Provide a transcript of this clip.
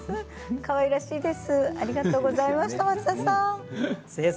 かわいらしいです。